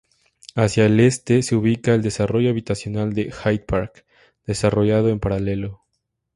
Hacia el este se ubica el desarrollo habitacional de Hyde Park, desarrollado en paralelo.